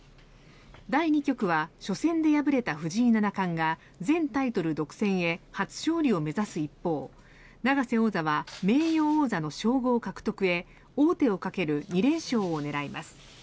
第２局は初戦で敗れた藤井七冠が全タイトル独占へ初勝利を目指す一方永瀬王座は名誉王座の称号獲得へ王手をかける２連勝を狙います。